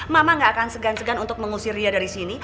mama gak akan segan segan untuk mengusir dia dari sini